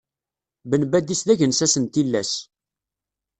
Ben Badis d agensas n tillas.